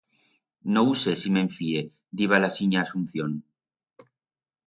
No hu sé si me'n fíe, diba la sinya Asunción.